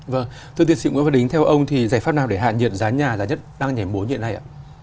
vâng thưa tiến sĩ nguyễn văn đính theo ông thì giải pháp nào để hạn nhiệt giá nhà giá nhất đang nhảy mối như thế này ạ